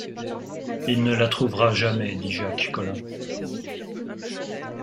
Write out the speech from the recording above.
Il ne la trouvera jamais, dit Jacques Collin.